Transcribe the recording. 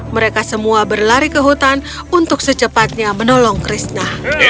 mereka semua berlari ke hutan untuk secepatnya menolong krisna